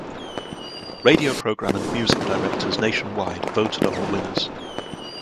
Radio program and music directors nationwide voted on the winners.